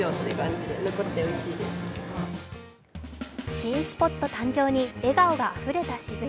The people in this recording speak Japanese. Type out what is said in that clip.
新スポット誕生に笑顔があふれた渋谷。